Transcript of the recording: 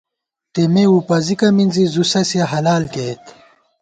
تېمےوُپَزِکہ مِنزی ، زُوسَسِیَہ حلال کېئیت